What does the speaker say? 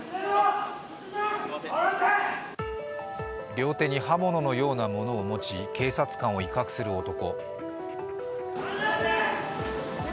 両手に刃物のような物を持ち、警察官を威嚇する男。